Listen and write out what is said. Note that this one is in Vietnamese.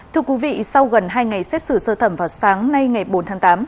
thưa quý vị sau gần hai ngày xét xử sơ thẩm vào sáng nay ngày bốn tháng tám